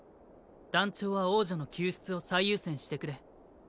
団長は王女の救出を最優先してくれ。